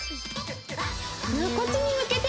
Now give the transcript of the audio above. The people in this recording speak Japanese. こっちに向けて！